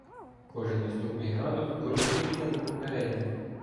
Кожен наступний градус ґрунтується на попередньому.